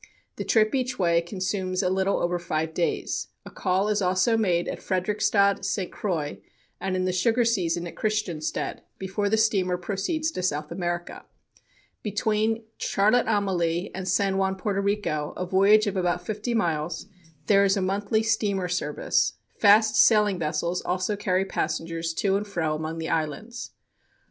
The trip each way consumes a little over five days. A call is also made at Frederiksted, St. Croix, (and in the sugar season at Christiansted), before the steamer proceeds to South America. Between Charlotte Amalie and San Juan, Porto Rico, a voyage of about fifty miles, there is a monthly steamer service. Fast sailing vessels also carry passengers to and fro among the islands.